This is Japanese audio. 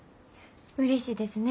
うれしいですね。